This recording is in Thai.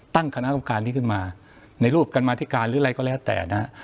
ตั้งคณะกรรมการนี้ขึ้นมาในรูปกรรมาธิการหรืออะไรก็แล้วแต่นะฮะ